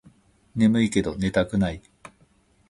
ねむいけど寝たくない